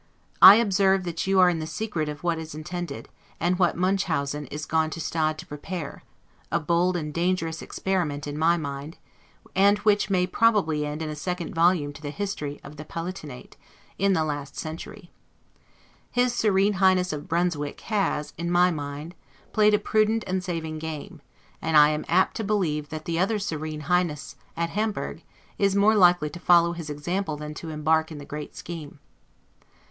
I observe that you are in the secret of what is intended, and what Munchausen is gone to Stade to prepare; a bold and dangerous experiment in my mind, and which may probably end in a second volume to the "History of the Palatinate," in the last century. His Serene Highness of Brunswick has, in my mind, played a prudent and saving game; and I am apt to believe that the other Serene Highness, at Hamburg, is more likely to follow his example than to embark in the great scheme.